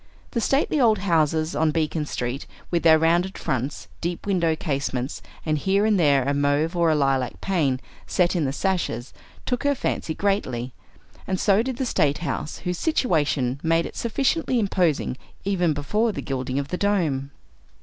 The stately old houses on Beacon Street, with their rounded fronts, deep window casements, and here and there a mauve or a lilac pane set in the sashes, took her fancy greatly; and so did the State House, whose situation made it sufficiently imposing, even before the gilding of the dome.